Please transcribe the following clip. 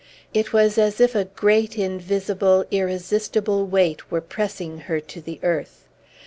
It was as if a great, invisible, irresistible weight were pressing her to the earth.